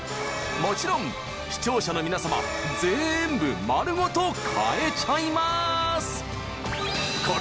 もちろん視聴者の皆様ぜんぶ丸ごと買えちゃいます！